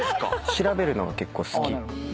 調べるのが結構好き。